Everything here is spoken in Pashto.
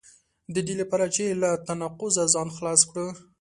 د دې لپاره چې له تناقضه ځان خلاص کړو.